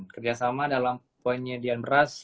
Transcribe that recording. kerjasama dalam penyediaan beras